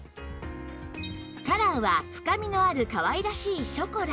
カラーは深みのあるかわいらしいショコラ